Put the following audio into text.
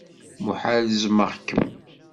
Muḥal zzmeɣ-kem.